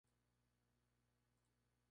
La banda escrita sigue un trazo serpenteante.